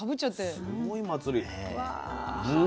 すごい祭り。